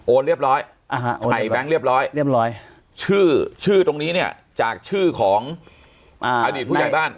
เรียบร้อยใส่แบงค์เรียบร้อยเรียบร้อยชื่อชื่อตรงนี้เนี่ยจากชื่อของอดีตผู้ใหญ่บ้าน